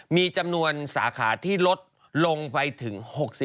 มีจำนวนสาขาที่ลดลงไปถึง๖๐